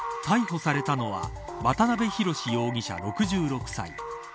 逮捕されたのは渡辺宏容疑者、６６歳。